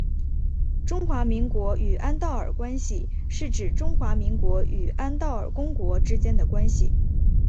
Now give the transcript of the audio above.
中华民国与安道尔关系是指中华民国与安道尔公国之间的关系。